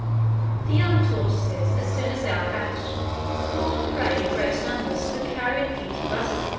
The young tortoises, as soon as they are hatched, fall a prey in great numbers to the carrion feeding buzzard.